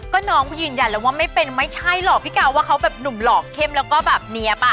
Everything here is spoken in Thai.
ก็น้องก็ยืนยันแล้วว่าไม่เป็นไม่ใช่หรอกพี่กาวว่าเขาแบบหนุ่มหลอกเข้มแล้วก็แบบเนี๊ยบอ่ะ